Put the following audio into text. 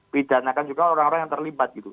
pidanakan juga orang orang yang terlibat gitu